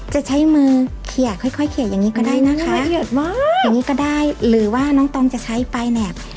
จะใช้มือเขียค่อยค่อยเขียอย่างนี้ก็ได้นะคะอย่างนี้ก็ได้หรือว่าน้องตองจะใช้ปลายแหนบ